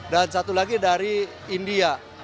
dan satu lagi dari india